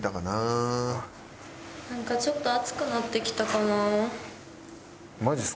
なんかちょっと暑くなってきたかなあ。